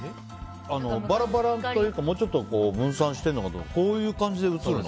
バラバラというかもうちょっと分散してるのかと思ったらこういう感じで映るの？